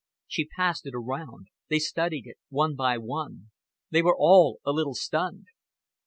She passed it around. They studied it, one by one. They were all a little stunned.